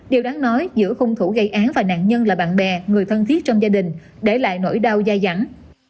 điều đáng nói giữa hung thủ gây án và nạn nhân là bạn bè người thân thiết trong gia đình để lại nỗi đau da dẳng